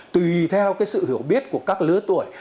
tùy theo sự hiểu biết của các lứa tuổi